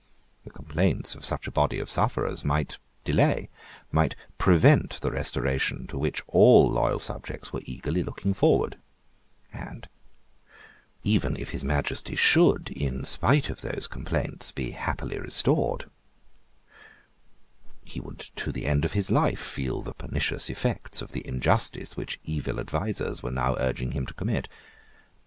The complaints of such a body of sufferers might delay, might prevent, the Restoration to which all loyal subjects were eagerly looking forward; and, even if his Majesty should, in spite of those complaints, be happily restored, he would to the end of his life feel the pernicious effects of the injustice which evil advisers were now urging him to commit.